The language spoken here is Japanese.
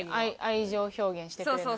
「愛情表現してくれない」？